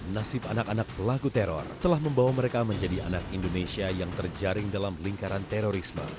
nasib anak anak pelaku teror telah membawa mereka menjadi anak indonesia yang terjaring dalam lingkaran terorisme